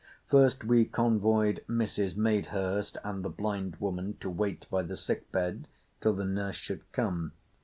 First we convoyed Mrs. Madehurst and the blind woman to wait by the sick bed till the nurse should come.